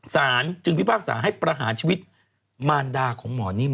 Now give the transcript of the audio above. สารจึงพิพากษาให้ประหารชีวิตมารดาของหมอนิ่ม